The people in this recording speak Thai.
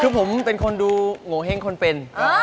คือผมเป็นคนดูโงเห้งคนเป็น